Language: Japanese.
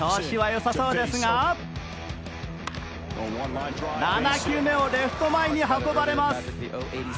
調子はよさそうですが、７球目をレフト前に運ばれます。